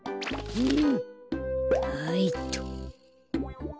うん？